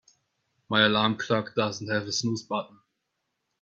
My alarm clock doesn't have a snooze button.